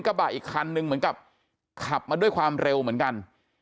กระบะอีกคันนึงเหมือนกับขับมาด้วยความเร็วเหมือนกัน